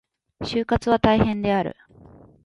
就活は大変である。